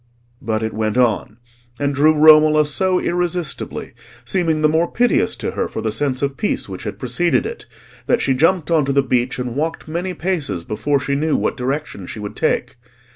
But it went on, and drew Romola so irresistibly, seeming the more piteous to her for the sense of peace which had preceded it, that she jumped on to the beach and walked many paces before she knew what direction she would take.